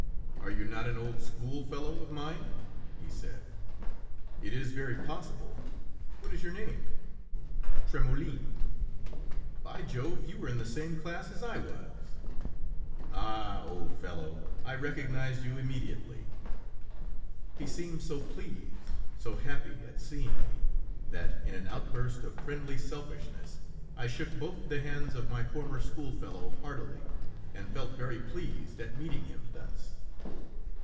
"Are you not an old school fellow of mine?" he said. "It is very possible. What is your name?" "Trémoulin." "By Jove! You were in the same class as I was." "Ah! Old fellow, I recognized you immediately." He seemed so pleased, so happy at seeing me, that in an outburst of friendly selfishness, I shook both the hands of my former school fellow heartily, and felt very pleased at meeting him thus.